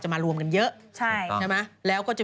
หนุ่มเขาอ่านค่ะ